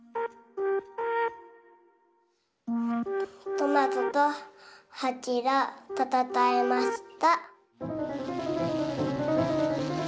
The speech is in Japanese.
トマトとハチがたたかいました。